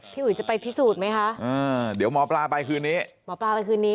อุ๋ยจะไปพิสูจน์ไหมคะอ่าเดี๋ยวหมอปลาไปคืนนี้หมอปลาไปคืนนี้